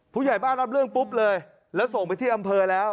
ผู้ใหญ่บ้านรับเรื่องปุ๊บเลยแล้วส่งไปที่อำเภอแล้ว